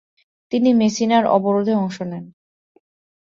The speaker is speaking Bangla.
তিনি মেসিনার অবরোধে অংশ নেন।